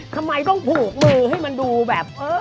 ทำไมต้องผูกมือให้มันดูแบบ